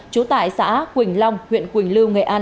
trú tại xã quỳnh long huyện quỳnh lưu nghệ an